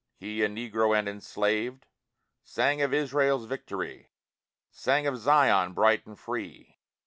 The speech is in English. He, a Negro and enslaved, Sang of Israel's victory, Sang of Zion, bright and free.